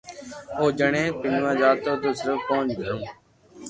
او جڻي پينوا جاتو تو صرف پئنچ گھرو